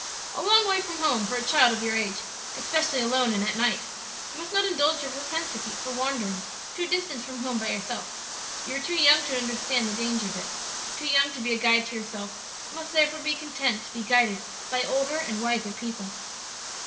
"A long way from home for a child of your age; especially alone and at night. You must not indulge your propensity for wandering to a distance from home by yourself. You are too young to understand the danger of it; too young to be a guide to yourself, and must therefore be content to be guided by older and wiser people.